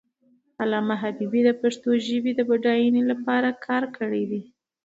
علامه حبیبي د پښتو ژبې د بډاینې لپاره کار کړی دی.